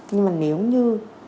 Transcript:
nhưng mà nếu như